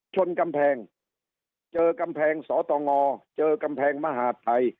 ชนกำแพงเจอกำแพงสตงเจอกำแพงมหาดไทย